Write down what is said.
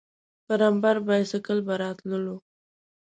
پر امبر بایسکل به راتللو.